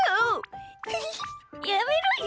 やめろよ！